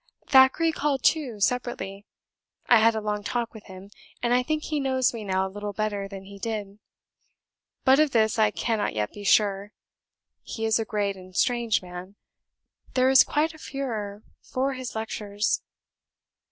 "Thackeray called too, separately. I had a long talk with him, and I think he knows me now a little better than he did: but of this I cannot yet be sure; he is a great and strange man. There is quite a furor for his lectures.